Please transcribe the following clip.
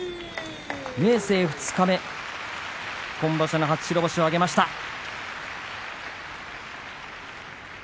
明生、二日目今場所の初白星を挙げました。